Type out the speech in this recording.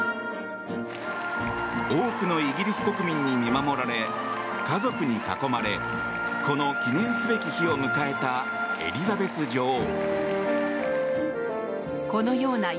多くのイギリス国民に見守られ家族に囲まれこの記念すべき日を迎えたエリザベス女王。